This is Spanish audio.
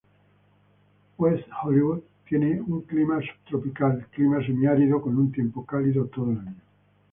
West Hollywood tiene un Clima subtropical-clima semiárido con un tiempo cálido todo el año.